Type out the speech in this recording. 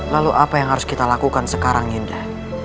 lalu apa yang harus kita lakukan sekarang indah